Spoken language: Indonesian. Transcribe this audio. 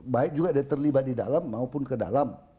baik juga dia terlibat di dalam maupun ke dalam